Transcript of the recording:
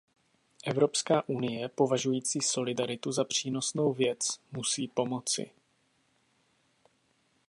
Evropská unie, považující solidaritu za přínosnou věc, musí pomoci.